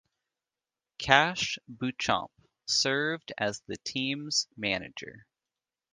Kash Beauchamp served as the team's manager.